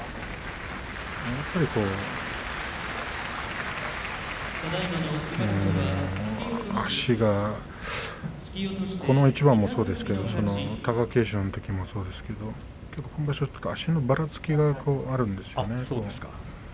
やっぱりこう足がこの一番もそうですけれど貴景勝のときもそうですけれど今場所、足のばらつきがあるんですよね。